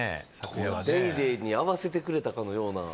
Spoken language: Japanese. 『ＤａｙＤａｙ．』に合わせてくれたかのような。